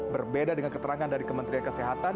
berbeda dengan keterangan dari kementerian kesehatan